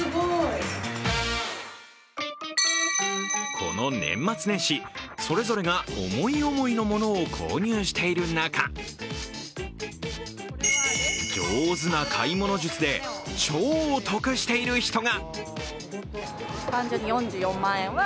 この年末年始、それぞれが思い思いのものを購入している中、上手な買い物術で超得してる人が。